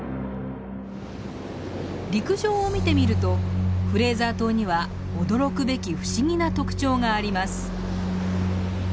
陸上を見てみるとフレーザー島には驚くべき不思議な特徴があります。